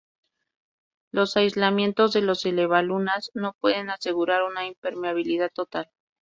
Los aislamientos de los elevalunas no pueden asegurar una impermeabilidad total.